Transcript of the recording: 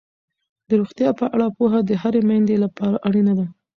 د روغتیا په اړه پوهه د هرې میندې لپاره اړینه ده.